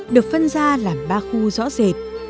được phân ra làm ba khu rõ ràng